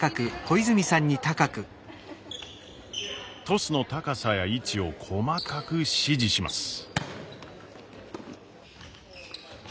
トスの高さや位置を細かく指示します。